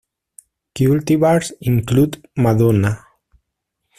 Cultivars include "Madonna".